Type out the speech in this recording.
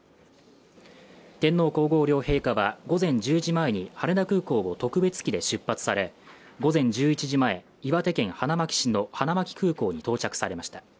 天皇皇后両陛下は午前１０時前に羽田空港を特別機で出発され、午前１１時前、岩手県花巻市の花巻空港に到着されました。